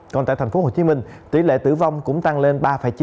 còn tại thành phố hồ chí minh tỷ lệ tử vong cũng tăng lên ba chín